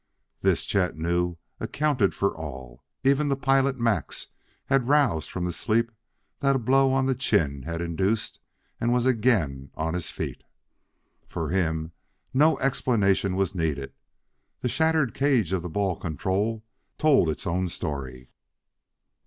This, Chet knew, accounted for all. Even the pilot, Max, had roused from the sleep that a blow on the chin had induced and was again on his feet. For him no explanation was needed; the shattered cage of the ball control told its own story.